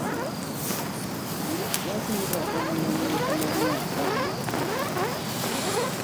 Lwaki mubakuumira mu butamanya?